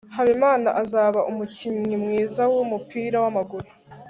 habimana azaba umukinnyi mwiza wumupira wamaguru